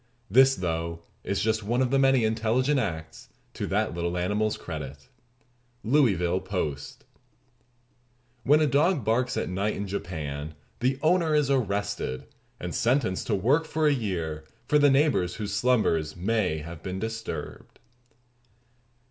This, though, is just one of the many intelligent acts to that little animal's credit." Louisville Post. When a dog barks at night in Japan the owner is arrested, and sentenced to work for a year for the neighbors whose slumbers may have been disturbed.